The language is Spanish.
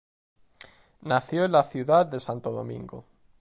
Nació en la ciudad de Santo Domingo.